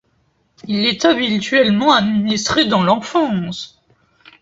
Il est habituellement administré dans l’enfance.